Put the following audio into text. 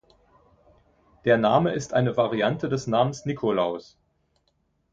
Der Name ist eine Variante des Namens Nikolaus.